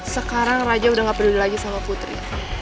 sekarang raja udah gak peduli lagi sama putri